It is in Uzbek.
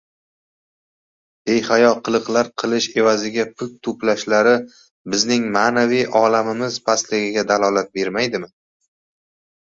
behayo qiliqlar qilish evaziga pul to‘plashlari bizning ma’naviy olamimiz pastligidan dalolat bermaydimi?